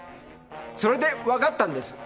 それで分かったんです。